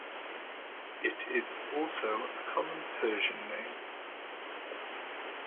It is also a common Persian name.